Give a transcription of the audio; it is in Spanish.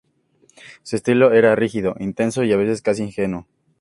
Su estilo era rígido, intenso, a veces casi ingenuo.